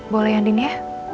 boleh ya din ya